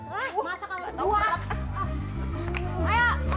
masa kalau kedua